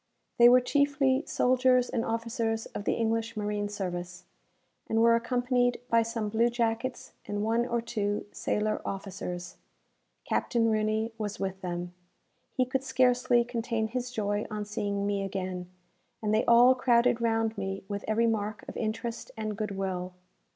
They were chiefly soldiers and officers of the English marine service, and were accompanied by some blue jackets and one or two sailor officers. Captain Rooney was with them. He could scarcely contain his joy on seeing me again; and they all crowded round me with every mark of interest and good will.